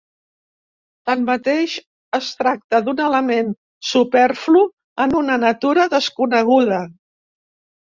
Tanmateix, es tracta d'un element superflu en una natura desconeguda.